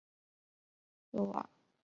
鲁瓦昂地区圣洛朗。